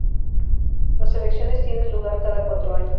Las elecciones tienen lugar cada cuatro años.